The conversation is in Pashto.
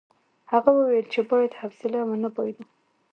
هغه وویل چې باید حوصله ونه بایلو.